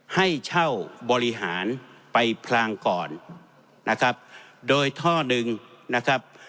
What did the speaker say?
ให้เช่าบริหารไปพลางก่อนนะครับโดยท่อหนึ่งนะครับ